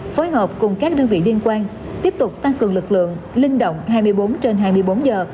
phối hợp cùng các đơn vị liên quan tiếp tục tăng cường lực lượng linh động hai mươi bốn trên hai mươi bốn giờ